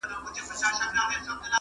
لنډۍ په غزل کي، اوومه برخه !